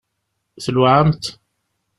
Tluɛamt?